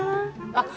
あっ！